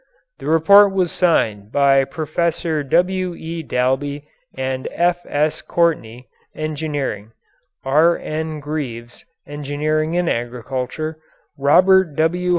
The report was signed by Prof. W. E. Dalby and F. S. Courtney, engineering; R. N. Greaves, engineering and agriculture; Robert W.